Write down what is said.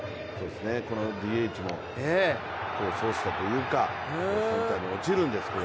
このＤＨも、功を奏したというか落ちるんですけど。